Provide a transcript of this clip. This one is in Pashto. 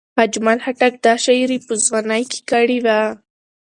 اجمل خټک دا شاعري په ځوانۍ کې کړې وه.